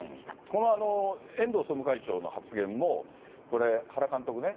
この遠藤総務会長の発言も、これ、原監督ね、